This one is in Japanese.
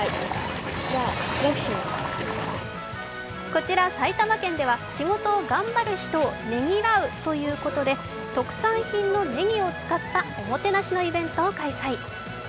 こちら埼玉県では仕事を頑張る人を「ネ・ギ・らう」ということで特産品のねぎを使ったおもてなしのイベントを開催。